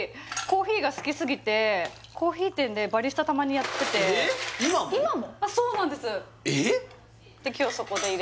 コーヒーが好きすぎてコーヒー店でバリスタたまにやってて今も？あっそうなんですえっ？